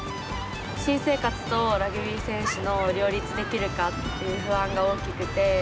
新生活とラグビー選手の両立できるかという不安が大きくて。